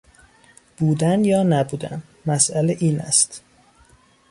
بودن یا نبودن، مسئله این است.